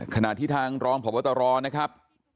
ขณะที่ทางรองพบตรนะครับ